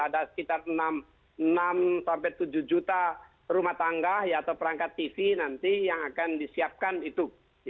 ada sekitar enam tujuh juta rumah tangga atau perangkat tv nanti yang akan disiapkan itu